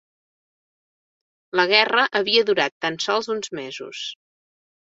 La guerra havia durat tan sols uns mesos.